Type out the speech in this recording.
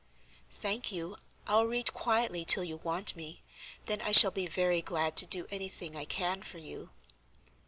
"Thank you. I'll read quietly till you want me. Then I shall be very glad to do any thing I can for you."